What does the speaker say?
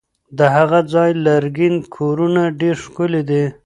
د هغه ځای لرګین کورونه ډېر ښکلي دي.